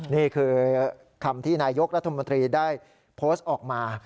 นี่คือคำที่นายกรัฐมนตรีได้โพสต์ออกมา